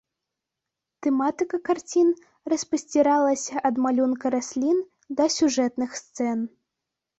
Тэматыка карцін распасціраліся ад малюнка раслін да сюжэтных сцэн.